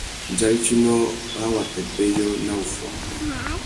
Dzarétinô râ wa pêpêyô na wuffuá.